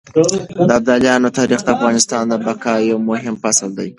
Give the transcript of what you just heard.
د ابدالیانو تاريخ د افغانستان د بقا يو مهم فصل دی.